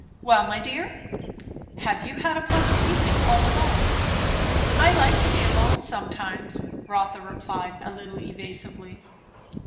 Well, my dear! have you had a pleasant evening, all alone?" "I like to be alone sometimes," Rotha replied a little evasively.